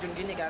terjun gini kan